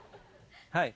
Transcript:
はい。